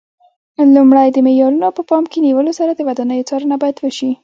لومړی د معیارونو په پام کې نیولو سره د ودانیو څارنه باید وشي.